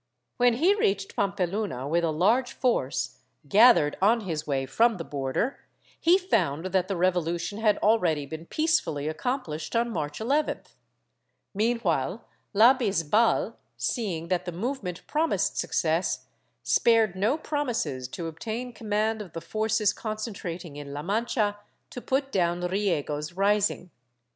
When he reached Pam peluna with a large force, gathered on his way from the border, he found that the revolution had already been peacefully accom plished on March 11th, Meanwhile la Bisbal, seeing that the movement promised success, spared no promises to obtain com mand of the forces concentrating in la Mancha to put down Riego's rising.